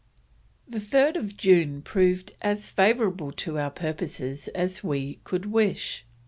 "The 3rd of June proved as favourable to our purposes as we could wish.